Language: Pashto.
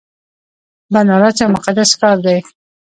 بنارس یو مقدس ښار دی.